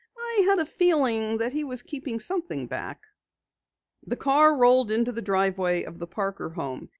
"I had a feeling that he was keeping something back." The car rolled into the driveway of the Parker home.